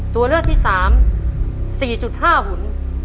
ตัวเลือกที่๓๔๕หุ่น